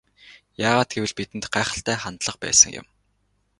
Яагаад гэвэл бидэнд гайхалтай хандлага байсан юм.